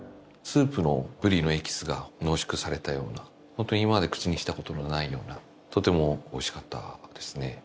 スープのブリのエキスが濃縮されたようなホントに今まで口にした事のないようなとてもおいしかったですね。